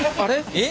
えっ？